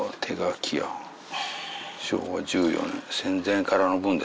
昭和１４年戦前からのぶんですね。